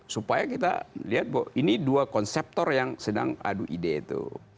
supaya kita lihat bahwa ini dua konseptor yang sedang adu ide itu